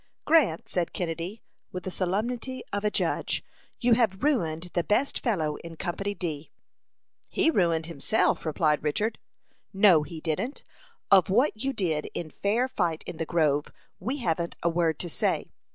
"Grant," said Kennedy, with the solemnity of a judge, "you have ruined the best fellow in Company D." "He ruined himself," replied Richard. "No, he didn't. Of what you did in fair fight in the grove, we haven't a word to say.